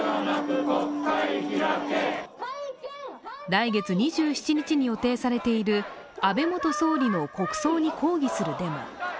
来月２７日に予定されている安倍元総理の国葬に抗議するデモ。